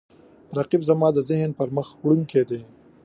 رقیب زما د ذهن پرمخ وړونکی دی